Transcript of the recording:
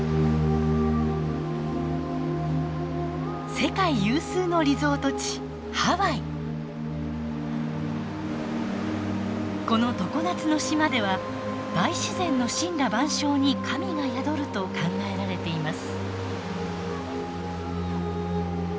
世界有数のリゾート地この常夏の島では大自然の森羅万象に神が宿ると考えられています。